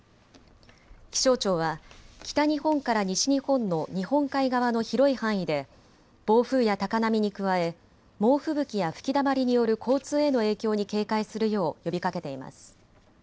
気象庁は北日本から西日本の日本海側の広い範囲で暴風や高波に加え猛吹雪や吹きだまりによる交通への影響に警戒するよう呼びかけています。